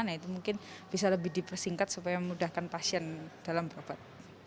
nah itu mungkin bisa lebih dipersingkat supaya memudahkan pasien dalam berobat